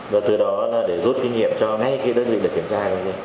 và từ đó là để rút kinh nghiệm cho ngay đất dịch để kiểm tra